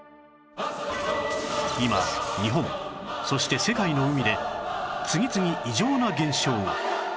今日本そして世界の海で次々異常な現象が